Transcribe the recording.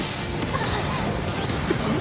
あっ！